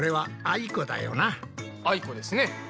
あいこですね。